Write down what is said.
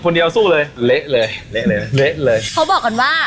คนเดียวสู้เลยเละเลยเหละเลยเละเลยเหละเลยเขาบอกว่า